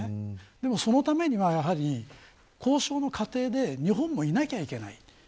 そのためには、やはり交渉の過程で日本もいなきゃいけない。